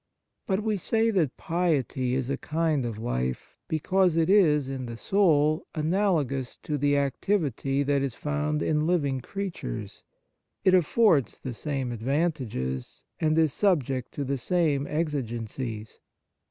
But we say that piety is a kind of life because it is, in the soul, analogous to the activity that is found in living creatures; it affords the same advantages, and is subject to the same exigencies.